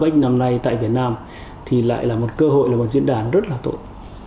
bách năm nay tại việt nam thì lại là một cơ hội là một diễn đàn rất là tốt